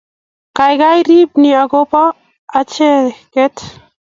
Kaikai rib ni ako bo acheget